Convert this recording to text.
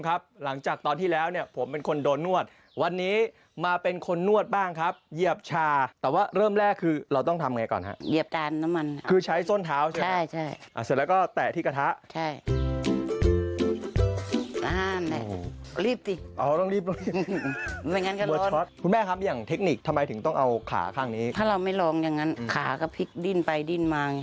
ครับหลังจากตอนที่แล้วผมเป็นคนโดนนวดวันนี้มาเป็นคนนวดบ้างครับเยียบชาแต่ว่าเริ่มแรกคือเราต้องทำไงก่อนครับเยียบจานน้ำมันคือใช้ส้นเท้าใช่ไหมใช่เสร็จแล้วก็แตะที่กระทะใช่รีบสิเอาต้องรีบเหมือนกันก็ร้อนคุณแม่ครับอย่างเทคนิคทำไมถึงต้องเอาขาข้างนี้ถ้าเราไม่ลองอย่างนั้นขาก็พลิกดิ้นไปดิ้